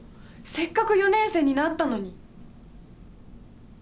せっかく４年生になったのに。